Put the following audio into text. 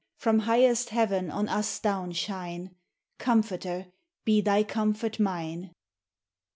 From highest heaven on us down shine! Comforter, be thy comfort mine!